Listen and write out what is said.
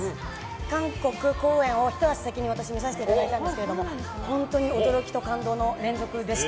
韓国公演をひと足先に私、見させていただいたんですが本当に驚きと感動の連続でした。